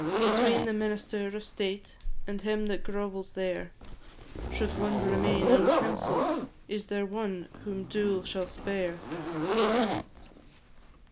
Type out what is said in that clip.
Between the minister of state And him that grovels there, Should one remain uncounselled, Is there one whom dool shall spare?